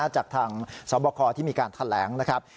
จากทางสบคที่มีการแถลงนะครับ